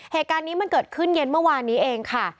เหตุการณ์นี้มันเกิดขึ้นเย็นเมื่อวานนี้เองค่ะ